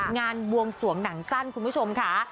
งานบวงสวงหนังสั้นคุณผู้ชมค่ะ